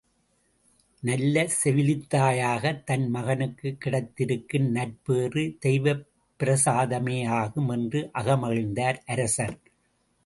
நல்ல செவிலித்தாயாக தன் மகனுக்குக் கிடைத்திருக்கும் நற்பேறு தெய்வப்பிரசாதமேயாகும் என்று அகமகிழ்ந்தார் அரசர்!